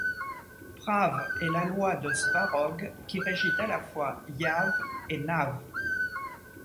Prav est la loi de Svarog qui régit à la fois Yav et Nav.